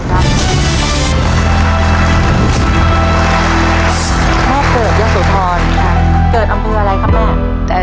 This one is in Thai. เกิดอำเภออะไรครับแม่